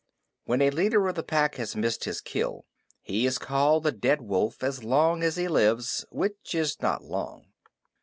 When a leader of the Pack has missed his kill, he is called the Dead Wolf as long as he lives, which is not long.